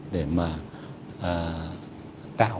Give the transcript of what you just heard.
để mà tạo